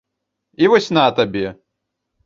І вось на табе!